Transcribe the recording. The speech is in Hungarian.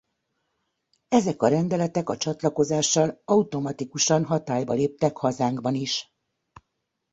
Ezek a rendeletek a csatlakozással automatikusan hatályba léptek hazánkban is.